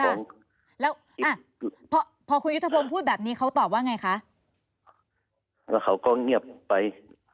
แล้วอ่ะพอพอคุณยุทธพงศ์พูดแบบนี้เขาตอบว่าไงคะแล้วเขาก็เงียบไป